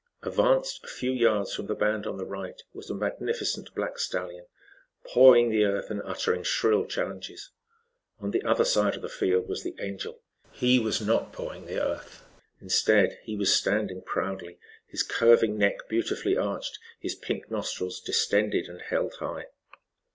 Advanced a few yards from the band on the right, was a magnificent black stallion, pawing the earth and uttering shrill challenges. On the other side of the field was the Angel. He was not pawing the earth. Instead he was standing proudly, his curving neck beautifully arched, his pink nostrils distended and held high.